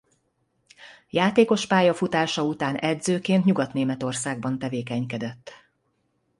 Játékos pályafutása után edzőként Nyugat-Németországban tevékenykedett.